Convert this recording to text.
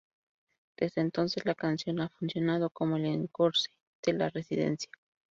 Desde entonces, la canción ha funcionado como el "encore" de la residencia.